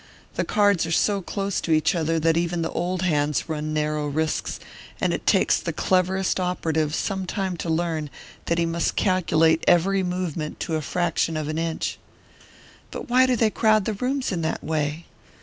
The cards are so close to each other that even the old hands run narrow risks, and it takes the cleverest operative some time to learn that he must calculate every movement to a fraction of an inch." "But why do they crowd the rooms in that way?"